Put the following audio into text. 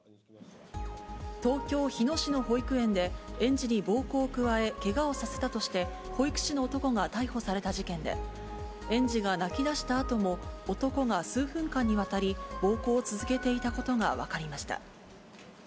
東京・日野市の保育園で、園児に暴行を加え、けがをさせたとして、保育士の男が逮捕された事件で、園児が泣きだしたあとも、男が数分間にわたり、暴行を続けていたことが分かりました。